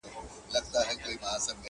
نو پيدا يې كړه پيشو توره چالاكه!.